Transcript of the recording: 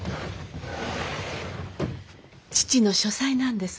父の書斎なんです。